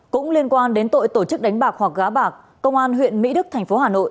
cũng liên quan đến tội tổ chức đánh bạc hoặc gá bạc công an huyện mỹ đức thành phố hà nội